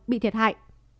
bị thiệt hại